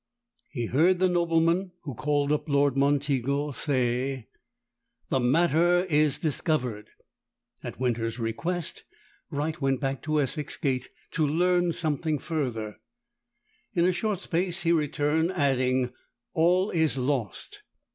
He heard the nobleman, who called up Lord Monteagle, say, The matter is discovered. At Winter's request, Wright went back to Essex gate to learn something further: in a short space he returned, adding, All is lost.